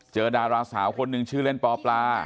เจอดาราสาวคนนึงชื่อเล่นปป